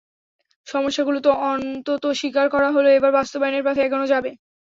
সমস্যাগুলো তো অন্তত স্বীকার করা হলো, এবার বাস্তবায়নের পথে এগোনো যাবে।